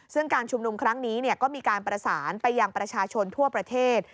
ซึ่งการชุมนุมครั้งนี้ก็มีการประสานไปยังประชาชนทั่วประเทศ